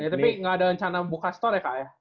tapi enggak ada rencana buka store ya kak ya